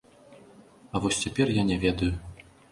А вось цяпер я не ведаю.